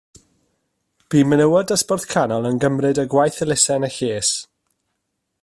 Bu menywod dosbarth canol yn ymgymryd â gwaith elusen a lles